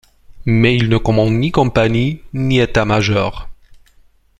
Mais il ne commande ni compagnie, ni état-major.